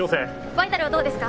バイタルはどうですか？